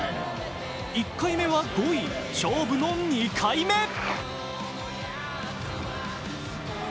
１回目は５位、勝負の２回目。